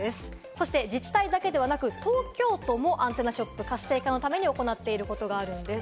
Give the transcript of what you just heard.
そして、自治体だけではなく東京都もアンテナショップ活性化のために行っていることがあるんです。